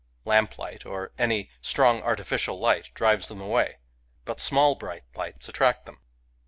Lamplight, or any strong artificial light, drives them away ; but small bright lights attract them.